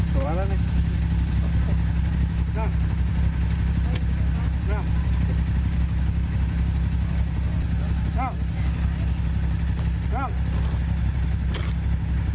พลิกตัวแล้วเนี่ย